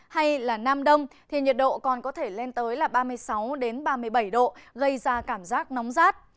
hay là nam đông thì nhiệt độ còn có thể lên tới ba mươi sáu ba mươi bảy độ gây ra cảm giác nóng rát